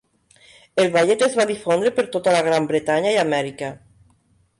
El ballet es va difondre per tota la Gran Bretanya i Amèrica.